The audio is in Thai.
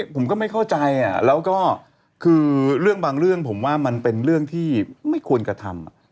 ผมก็ไม่เข้าใจแล้วก็คือเรื่องบางเรื่องผมว่ามันเป็นเรื่องที่ไม่ควรกระทำ